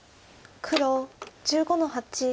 黒１５の八。